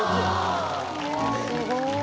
すごい。